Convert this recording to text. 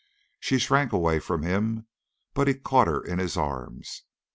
She shrank away from him, but he caught her in his arms.